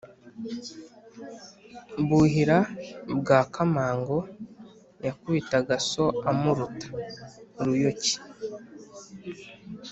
Buhiri bwa Kamango yakubitaga so amuruta ?-Uruyuki.